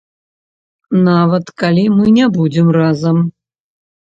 Нават, калі мы не будзем разам.